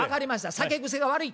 酒癖が悪い。